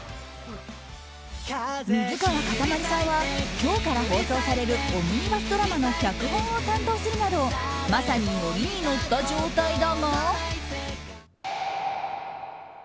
水川かたまりさんは今日から始まるオムニバスドラマの脚本を担当するなどまさにノリに乗った状態だが。